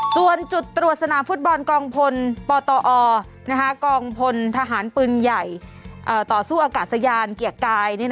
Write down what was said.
ส่วนจุดตรวจสนามฟุตบอลกองพลปตอกองพลทหารปืนใหญ่ต่อสู้อากาศยานเกียรติกาย